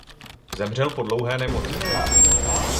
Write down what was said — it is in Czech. Zemřel po dlouhé nemoci.